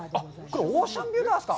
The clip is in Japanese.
これオーシャンビュータワーですか。